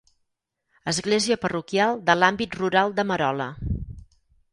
Església parroquial de l'àmbit rural de Merola.